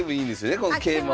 この桂馬は。